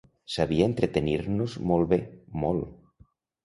Sabia entretenir-nos molt bé, molt.